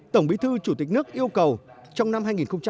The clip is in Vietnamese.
tổng bí thư chủ tịch nước yêu cầu trong năm hai nghìn hai mươi